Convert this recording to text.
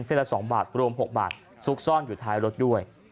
ละ๒บาทรวม๖บาทซุกซ่อนอยู่ท้ายรถด้วย